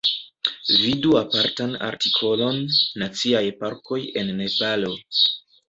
Vidu apartan artikolon "Naciaj parkoj en Nepalo".